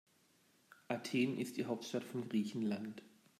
Athen ist die Hauptstadt von Griechenland.